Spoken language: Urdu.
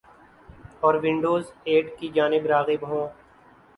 اور ونڈوز ایٹ کی جانب راغب ہوں ۔